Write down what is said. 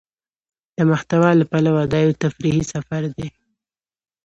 د محتوا له پلوه دا يو تفريحي سفر دى.